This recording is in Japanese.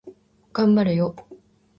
頑張れよ